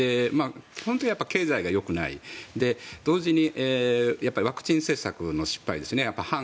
基本的に経済がよくない同時にワクチン政策の失敗ですよね。